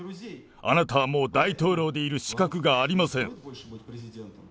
あなたはもう、大統領でいる資格がありません。